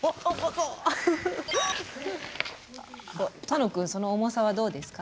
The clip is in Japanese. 楽くんその重さはどうですか？